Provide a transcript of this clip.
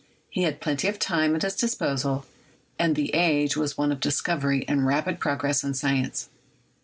He had plenty of time at his disposal, and the age was one of discovery and rapid progress in the science.